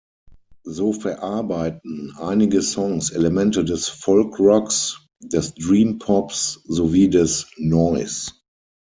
So verarbeiten einige Songs Elemente des Folk-Rocks, des Dream Pops sowie des Noise.